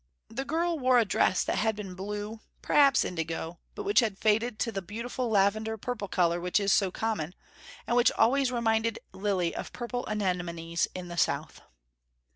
The girl wore a dress that had been blue, perhaps indigo, but which had faded to the beautiful lavender purple colour which is so common, and which always reminded Lilly of purple anemones in the south.